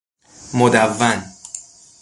مدون